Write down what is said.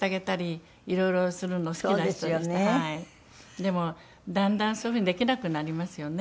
でもだんだんそういう風にできなくなりますよね。